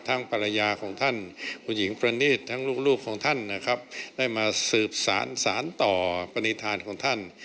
ทั้งปรญญาของท่านผู้หญิงปรณีตตั้งได้มาสืบสารสานต่อปนิธานของท่าน